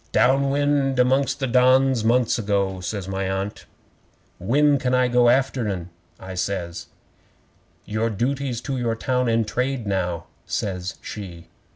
'"Down wind amongst the Dons months ago," says my Aunt. '"When can I go after 'en?" I says. '"Your duty's to your town and trade now," says she.